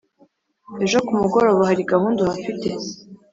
ejo kumugoroba hari gahunda uhafite”